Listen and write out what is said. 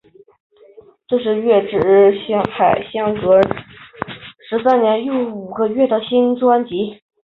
这是月之海相隔十三年又五个月的新专辑。